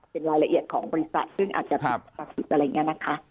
เป็นรายละเอียดของบริษัทซึ่งอาจจะผิดอะไรอย่างนี้นะคะ